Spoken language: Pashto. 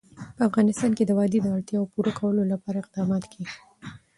په افغانستان کې د وادي د اړتیاوو پوره کولو لپاره اقدامات کېږي.